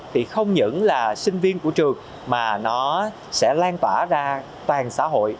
thì không những là sinh viên của trường mà nó sẽ lan tỏa ra toàn xã hội